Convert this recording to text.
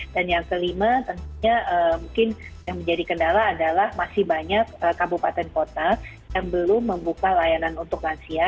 dan yang kelima tentunya mungkin yang menjadi kendala adalah masih banyak kabupaten kota yang belum membuka layanan untuk lansia